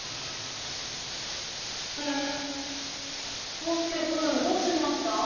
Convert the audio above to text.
おうすけくんどうしました？